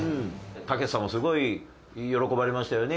たけしさんもすごい喜ばれましたよね？